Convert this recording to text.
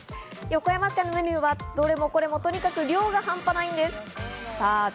横山家のメニューはどれもこれもとにかく量が半端ないんです。